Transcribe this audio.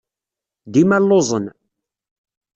Dima lluẓen.